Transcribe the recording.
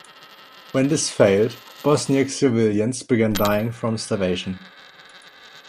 When this failed, Bosniak civilians began dying from starvation.